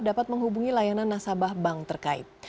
dapat menghubungi layanan nasabah bank terkait